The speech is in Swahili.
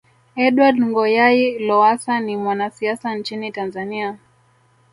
Edward Ngoyayi Lowassa ni mwanasiasa nchini Tanzania